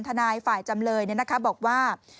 ทนายฝ่ายจำเลยบอกว่า